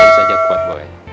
jangan saja kuat boy